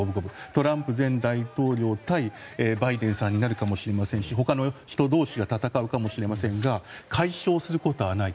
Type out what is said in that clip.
トランプ前大統領対バイデンさんになるかもしれないし他の人同士が戦うかもしれませんが快勝することはない。